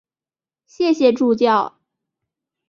谢谢助教